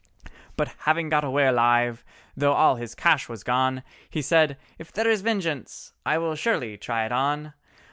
But having got away alive, though all his cash was gone, He said, "If there is Vengeance, I will surely try it on!